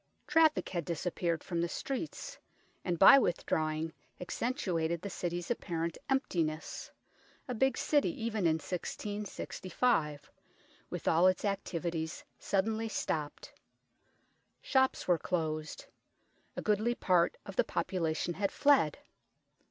Traffic had disappeared from the streets, and by withdrawing accentuated the city's apparent emptiness a big city even in 1665, with all its activities suddenly stopped. Shops were closed. A goodly part of the population had fled.